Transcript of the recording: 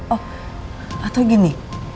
oh atau gini